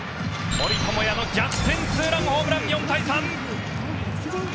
森友哉の逆転ツーランホームラン４対３！